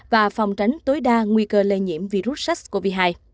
và phòng tránh tối đa nguy cơ lây nhiễm virus sars cov hai